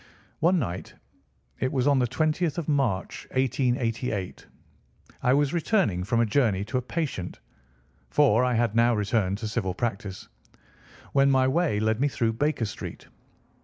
One night—it was on the twentieth of March, 1888—I was returning from a journey to a patient (for I had now returned to civil practice), when my way led me through Baker Street.